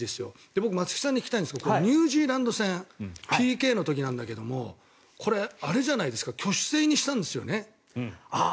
僕、松木さんに聞きたいんですけどニュージーランド戦ＰＫの時なんだけどあれじゃないですか挙手性にしたんですよね。